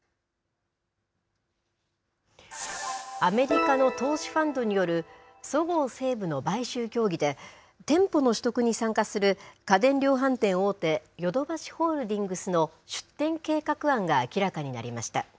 アメリカの投資ファンドによる、そごう・西武の買収協議で、店舗の取得に参加する家電量販店大手、ヨドバシホールディングスの出店計画案が明らかになりました。